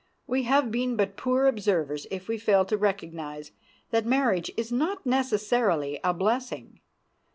We have been but poor observers if we fail to recognize that marriage is not necessarily a blessing.